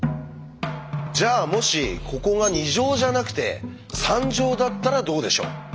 じゃあもしここが２乗じゃなくて３乗だったらどうでしょう？